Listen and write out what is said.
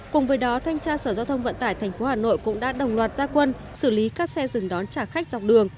cùng với đó thanh tra sở giao thông vận tải tp hà nội cũng đã đồng loạt gia quân xử lý các xe dừng đón trả khách dọc đường